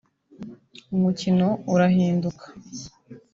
umukino urahinduka